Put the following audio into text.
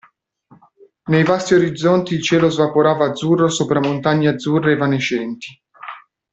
Nei vasti orizzonti il cielo svaporava azzurro sopra montagne azzurre evanescenti.